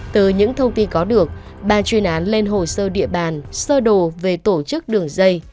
từ những thông tin có được bà chuyên án lên hồ sơ địa bàn sơ đồ về tổ chức đường dây